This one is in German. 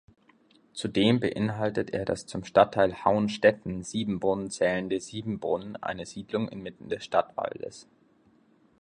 Zudem beinhaltet er das zum Stadtteil Haunstetten-Siebenbrunn zählende Siebenbrunn, eine Siedlung inmitten des Stadtwaldes.